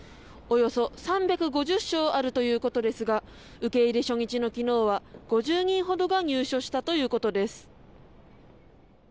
およそ３５０床あるということですが受け入れ初日の昨日は５０人ほどが入所したということです。